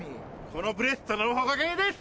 このブレスットのおかげです！